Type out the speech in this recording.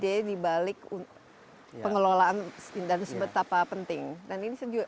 dari bagaimana pengelolaan tumbuk sampah receive